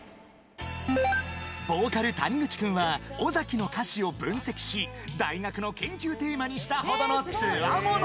［ボーカルたにぐち君は尾崎の歌詞を分析し大学の研究テーマにしたほどのつわもの］